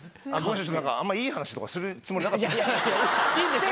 あんまりいい話とかするつもりなかったのに。